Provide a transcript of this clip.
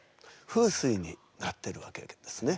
風水になってるわけですね。